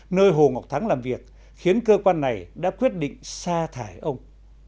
nơi hồ ngọc thắng làm việc khiến cơ quan này đã quyết định xa thải ông